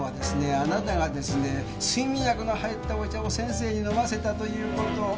あなたがですね睡眠薬の入ったお茶を先生に飲ませたということ。